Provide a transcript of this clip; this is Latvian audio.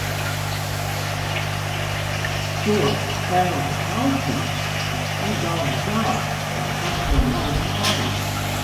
Tos tēvs taupīja, kad izaugs dēls, lai tas ceļ jaunu māju.